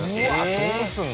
どうするの？